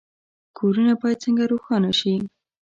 کورونه باید څنګه روښانه شي؟